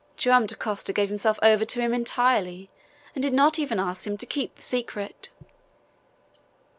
Joam Dacosta gave himself over to him entirely, and did not even ask him to keep the secret.